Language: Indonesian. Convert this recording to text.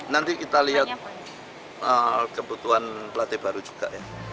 nanti kita lihat kebutuhan pelatih baru juga ya